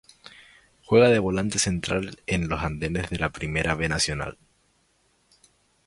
Juega de volante central en Los Andes de la Primera B Nacional.